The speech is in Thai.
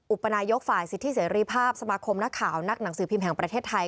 อุปนายกฝ่ายสิทธิเสรีภาพสมาคมนักข่าวนักหนังสือพิมพ์แห่งประเทศไทย